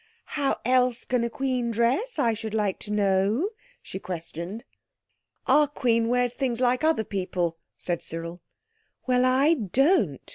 "How else can a queen dress I should like to know?" she questioned. "Our Queen wears things like other people," said Cyril. "Well, I don't.